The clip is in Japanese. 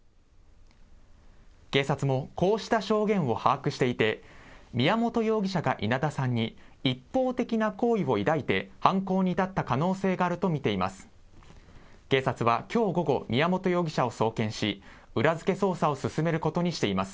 警察もこうした証言を把握していて、宮本容疑者が稲田さんに一方的な好意を抱いて犯行に至った可能性があると見ています。